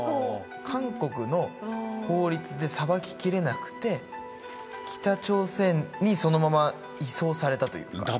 韓国の法律で裁ききれなくて北朝鮮にそのまま移送されたというか。